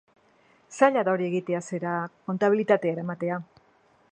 Zaila da hori egitea, zera, kontabilitatea eramatea.